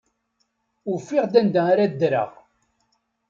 Ufiɣ-d anda ara ddreɣ.